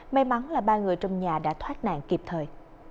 may mắn là ba người trong nhà đã thoát nạn kịp thời